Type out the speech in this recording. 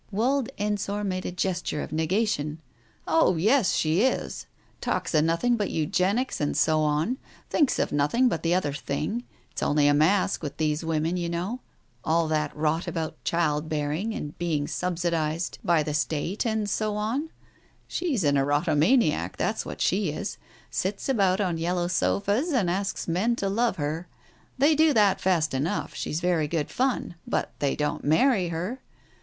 Wald Ensor made a gesture of negation. "Oh, yes, she is. Talks of nothing but Eugenics and so on. Thinks of nothing but the other thing. ... It's only a mask, with these women you know, all that rot about child bearing and being subsidized by the Digitized by Google THE TIGER SKIN 243 State and so on. She's an erotomaniac, that's what she is — sits about on yellow sofas and asks men to love her. They do that fast enough, she's very good fun — but they don't marry her.